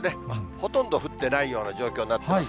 ほとんど降ってないような状況になっています。